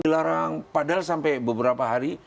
dilarang padahal sampai beberapa hari